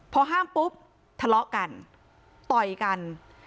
พอห้ามปุ๊บทะเลาะกันต่อยกัน